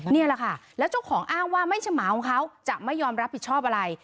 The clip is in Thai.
นี่แหละค่ะแล้วเจ้าของอ้างว่าไม่ใช่หมาของเขาจะไม่ยอมรับผิดชอบอะไร